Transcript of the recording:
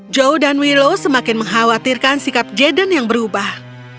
joe dan willow semakin mengkhawatirkan sikap jaden yang berubah